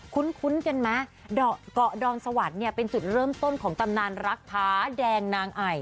คุ้นกันไหมเกาะดอนสวรรค์เนี่ยเป็นจุดเริ่มต้นของตำนานรักผาแดงนางไอ